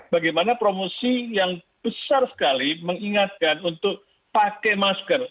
bagaimana promosi yang besar sekali mengingatkan untuk pakai masker